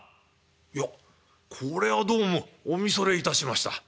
「いやこれはどうもお見それいたしました。